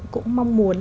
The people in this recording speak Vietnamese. cũng mong muốn